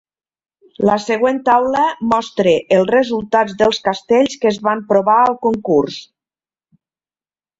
La següent taula mostra el resultat dels castells que es van provar al concurs.